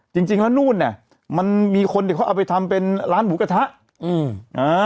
จริงจริงแล้วนู่นเนี้ยมันมีคนที่เขาเอาไปทำเป็นร้านหมูกระทะอืมอ่า